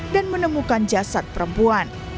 dan menemukan jasad perempuan